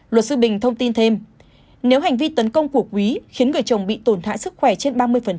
luật sư bình thông tin thêm nếu hành vi tấn công của quý khiến người chồng bị tổn hại sức khỏe trên ba mươi